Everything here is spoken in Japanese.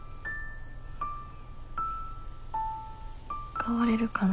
変われるかな。